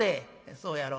「そうやろ。